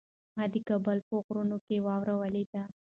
ما د کابل په غرونو کې واوره ولیده.